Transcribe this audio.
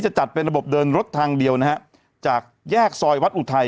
จัดเป็นระบบเดินรถทางเดียวนะฮะจากแยกซอยวัดอุทัย